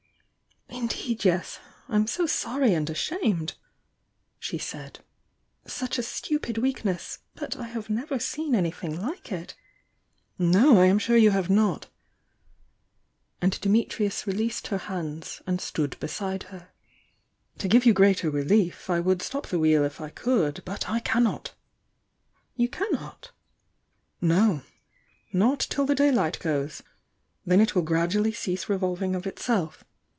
"Indeed, yes! I'm so sorry and ashamed!" she said. "Such a stupid weakness! But I have never seen anything like it " "No, I'm bure you have not!" And Dimitrius re leased her hands and stood beside her. "To give you greater relief, I would stop the Wheel if I could — but I cannot!" "You cannot?" "No. Not till the daylight goes. Then it will grad ually cease revolving of itself.